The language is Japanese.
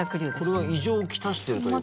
これは異常を来してるということか？